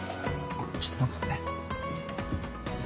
ちょっと待っててね。